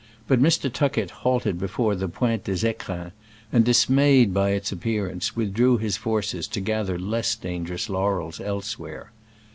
But Mr. Tuckett halted before the Pointe des ficrins, and, dismayed by its appearance, withdrew his forces to gather less dangerous laurels elsewhere.